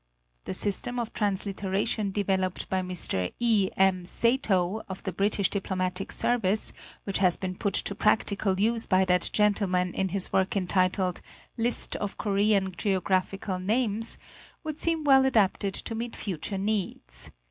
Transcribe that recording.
The system of transliteration developed by Mr. E. M. Satow, of the British Diplomatic Service, which has been put to practical use by that gentleman in his work entitled "List of Korean Geographical Names," would seem well adapted to meet future needs.